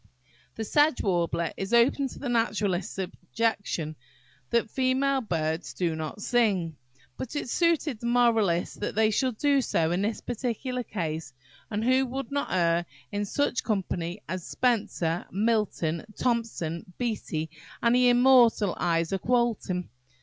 "The Sedge Warbler" is open to the naturalist's objection, that female birds do not sing. But it suited the moralist that they should do so in this particular case; and who would not err in such company as Spenser, Milton, Thomson, Beattie, and the immortal Isaak Walton?